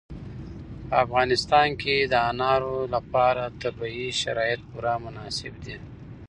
په افغانستان کې د انارو لپاره طبیعي شرایط پوره مناسب دي.